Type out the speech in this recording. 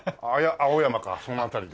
青山かその辺りで。